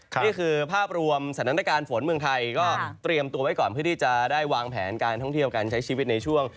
นี่คือภาพรวมสถานการณ์ฝนเมืองไทยก็เตรียมตัวไว้ก่อนเพื่อที่จะได้วางแผนการท่องเที่ยวการใช้ชีวิตในช่วง